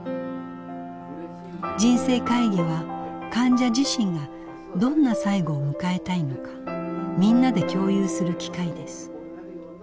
人生会議は患者自身がどんな最期を迎えたいのかみんなで共有する機会です。